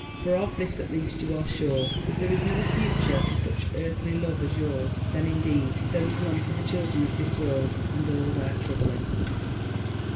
For of this at least you are sure. If there is no future for such earthly love as yours, then indeed there is none for the children of this world and all their troubling.